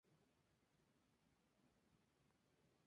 La ida es Manga y la vuelta Parque Rodó.